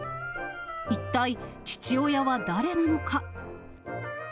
一体、父親は誰なのか。